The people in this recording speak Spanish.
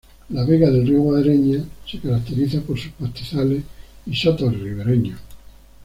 La vega del río Guareña se caracteriza por sus pastizales y sotos ribereños.